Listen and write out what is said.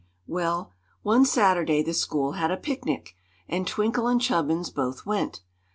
Well, one Saturday the school had a picnic, and Twinkle and Chubbins both went.